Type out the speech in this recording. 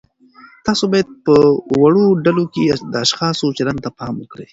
تاسو باید په وړو ډلو کې د اشخاصو چلند ته پام وکړئ.